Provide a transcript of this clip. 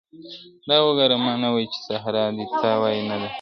دا اوګــــــــوره ما نۀ وې چـې سحـر دے تا وې نۀ دے